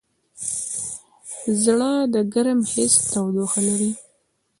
زړه د ګرم حس تودوخه لري.